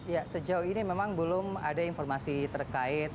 ya sejauh ini memang belum ada informasi terkait